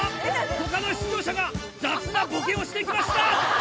他の出場者が雑なボケをしてきました！